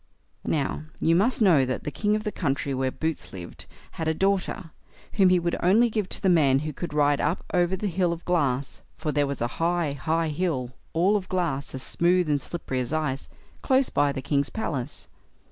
Now, you must know that the king of the country where Boots lived had a daughter, whom he would only give to the man who could ride up over the hill of glass, for there was a high, high hill, all of glass, as smooth and slippery as ice, close by the king's palace.